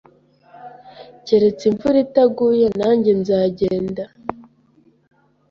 Keretse imvura itaguye, nanjye nzagenda.